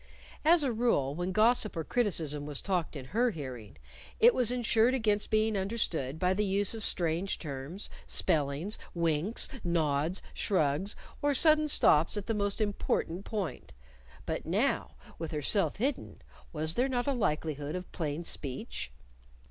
As a rule when gossip or criticism was talked in her hearing, it was insured against being understood by the use of strange terms, spellings, winks, nods, shrugs, or sudden stops at the most important point. But now, with herself hidden, was there not a likelihood of plain speech?